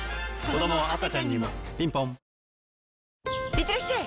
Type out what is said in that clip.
いってらっしゃい！